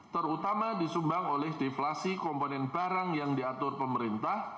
terutama disumbang oleh deflasi komponen barang yang diatur pemerintah